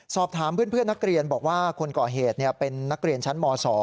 สอบถามเพื่อนนักเรียนบอกว่าคนก่อเหตุเป็นนักเรียนชั้นม๒